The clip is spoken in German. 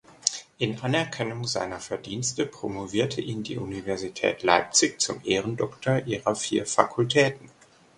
In Anerkennung seiner Verdienste promovierte ihn die Universität Leipzig zum Ehrendoktor ihrer vier Fakultäten.